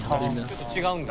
ちょっと違うんだ。